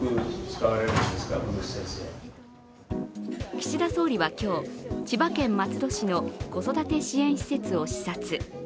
岸田総理は今日、千葉県松戸市の子育て支援施設を視察。